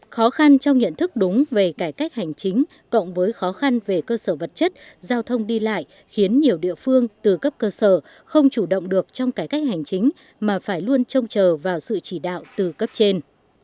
khó khăn trong nhận thức đúng về cải cách hành chính cộng với khó khăn về cơ sở vật chất giao thông đi lại khiến nhiều địa phương từ cấp cơ sở không chủ động được trong cải cách hành chính mà phải luôn trông chờ vào sự chỉ đạo từ cấp trên